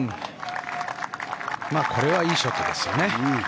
これはいいショットですよね。